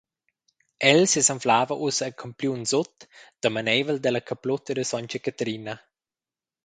El sesanflava ussa a Campliun Sut, damaneivel dalla caplutta da s. Catrina.